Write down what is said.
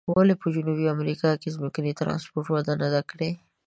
ولې په جنوبي امریکا کې ځمکني ترانسپورت وده نه ده کړې؟